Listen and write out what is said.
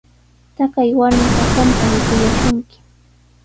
Taqay warmiqa qamtami kuyashunki.